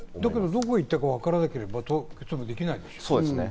どこに行ったかわからなければできないですよね。